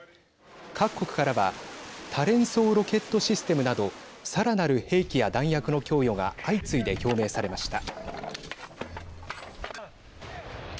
各国からは多連装ロケットシステムなどさらなる兵器や弾薬の供与が相次いで表明されました。